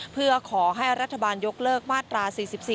เพื่อขอให้รัฐบาลยกเลิกมาตรา๔๔